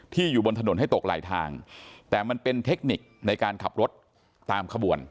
อยู่บนถนนให้ตกไหลทางแต่มันเป็นเทคนิคในการขับรถตามขบวน